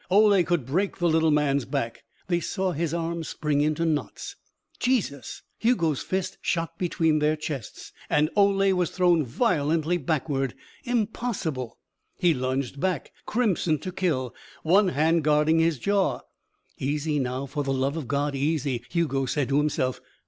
Ole could break the little man's back. They saw his arms spring into knots. Jesus! Hugo's fist shot between their chests and Ole was thrown violently backward. Impossible. He lunged back, crimson to kill, one hand guarding his jaw. "Easy, now, for the love of God, easy," Hugo said to himself.